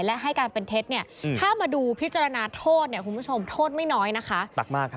และให้การเป็นเท็จถ้ามาดูพิจารณาโทษคุณผู้ชมโทษไม่น้อยนะคะ